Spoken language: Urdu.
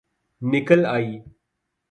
نکل آئ